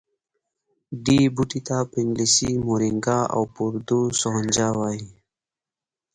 دې بوټي ته په انګلیسي مورینګا او په اردو سوهنجنا وايي